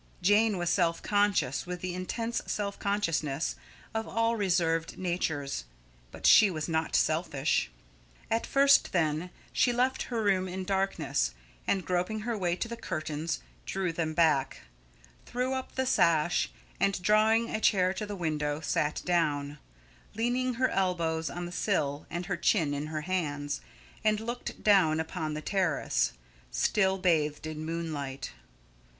Jane was self conscious, with the intense self consciousness of all reserved natures, but she was not selfish. At first, then, she left her room in darkness, and, groping her way to the curtains, drew them back, threw up the sash, and, drawing a chair to the window, sat down, leaning her elbows on the sill and her chin in her hands, and looked down upon the terrace, still bathed in moonlight.